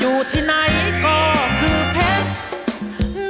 อยู่ที่ไหนก็คือเพชร